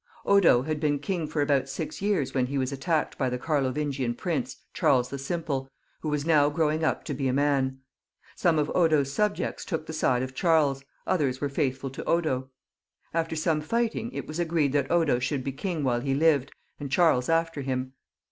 Odo had been king for about six years when he was attacked by the Carlovingtan prince, Charles the Simple, who was now growing up to be a man. Some of Odo's » subjects took the side of Charles, others were faithful to Odo. Afiber some fighting it was agreed that Odo should be king while he lived, and Charles after him.